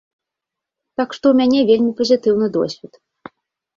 Так што ў мяне вельмі пазітыўны досвед.